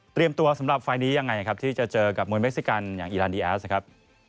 ตัวสำหรับไฟล์นี้ยังไงครับที่จะเจอกับมวยเมซิกันอย่างอีรานดีแอสนะครับ